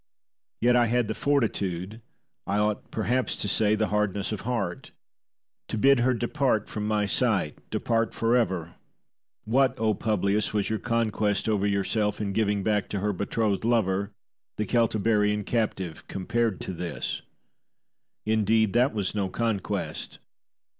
Yet I had the fortitude I ought, perhaps, to say the hardness of heart to bid her depart from my sight; depart for ever! What, O Publius, was your conquest over yourself, in giving back to her betrothed lover the Celtiberian captive compared to this? Indeed, that was no conquest.